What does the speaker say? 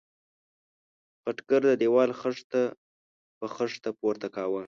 خټګر د دېوال خښته په خښته پورته کاوه.